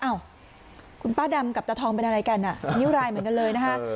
อ้าวคุณป้าดำกับตาทองเป็นอะไรกันอ่ะนิ้วรายเหมือนกันเลยนะคะ